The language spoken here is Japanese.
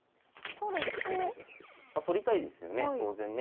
取りたいですよね当然ね。